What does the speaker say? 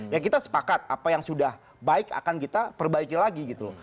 ya kita sepakat apa yang sudah baik akan kita perbaiki lagi gitu loh